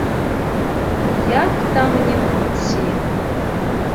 Як там не круці.